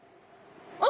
あ！